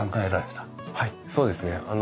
はいそうですね。